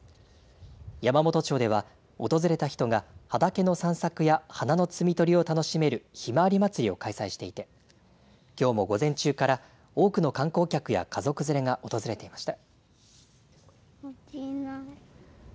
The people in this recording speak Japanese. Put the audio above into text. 山元町では、訪れた人が畑の散策や花の摘み取りを楽しめるひまわり祭りを開催していてきょうも午前中から多くの観光客や家族連れが訪れていました。